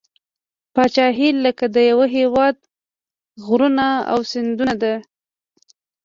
پاچهي لکه د یوه هیواد غرونه او سیندونه ده.